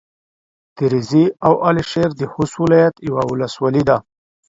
تريزي او على شېر د خوست ولايت يوه ولسوالي ده.